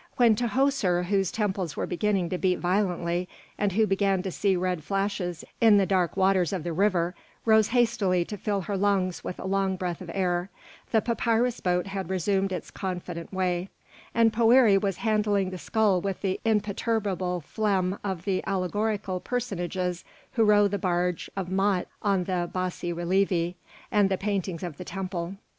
When Tahoser, whose temples were beginning to beat violently, and who began to see red flashes in the dark waters of the river, rose hastily to fill her lungs with a long breath of air, the papyrus boat had resumed its confident way, and Poëri was handling the scull with the imperturbable phlegm of the allegorical personages who row the barge of Maut on the bassi relievi and the paintings of the temples.